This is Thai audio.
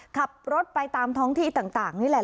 ขับรถไปตามท้องที่ต่างนี่แหละ